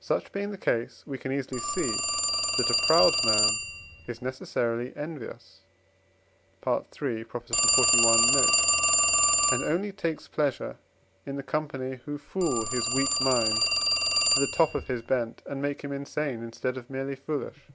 Such being the ease, we can easily see that a proud man is necessarily envious (III. xli. note), and only takes pleasure in the company, who fool his weak mind to the top of his bent, and make him insane instead of merely foolish.